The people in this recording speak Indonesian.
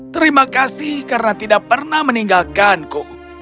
terima kasih karena tidak pernah meninggalkanku